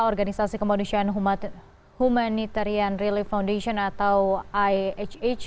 organisasi kemanusiaan humanitarian relief foundation atau ihh